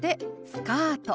「スカート」。